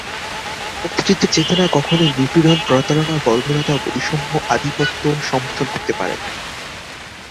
মুক্তিযুদ্ধের চেতনা কখনোই নিপীড়ন, প্রতারণা, বর্বরতা, বৈষম্য, আধিপত্য সমর্থন করতে পারে না।